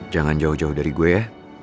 jangan jauh jauh dari gue ya